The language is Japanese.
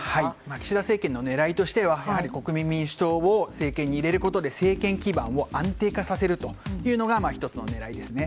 岸田政権の狙いとしてはやはり国民民主党を政権に入れることで政権基盤を安定化させるというのが１つの狙いですね。